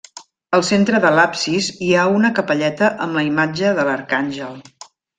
Al centre de l'absis, hi ha una capelleta amb la imatge de l'arcàngel.